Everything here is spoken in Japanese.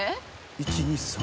「１２３」。